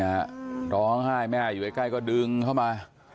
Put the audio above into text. ร้องไห้แม่อยู่ใกล้ใกล้ก็ดึงเข้ามา